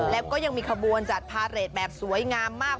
แล้วก็ยังมีขบวนจัดพาเรทแบบสวยงามมาก